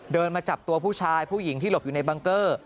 มาจับตัวผู้ชายผู้หญิงที่หลบอยู่ในบังเกอร์